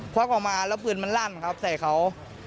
วักออกมาแล้วปืนมันลั่นครับใส่เขา